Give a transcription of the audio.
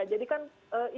jadi kan intinya adalah